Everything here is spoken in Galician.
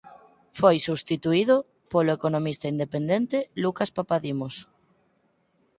Foi substituído polo economista independente Lucas Papadimos.